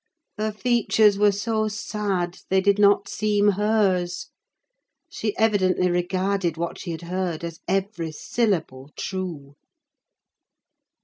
Her features were so sad, they did not seem hers: she evidently regarded what she had heard as every syllable true.